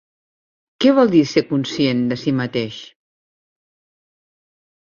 Què vol dir ser conscient de si mateix?